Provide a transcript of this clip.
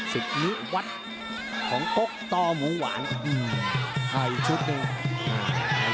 สุขนี้วัดของก๊อกต่อหมูหวานให้ชุดนี้